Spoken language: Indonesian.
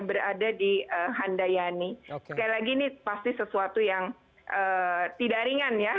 berada di handayani sekali lagi ini pasti sesuatu yang tidak ringan ya